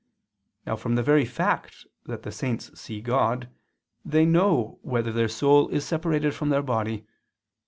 Now from the very fact that the saints see God, they know whether their soul is separated from their body.